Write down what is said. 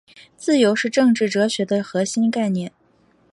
自由是政治哲学的核心概念。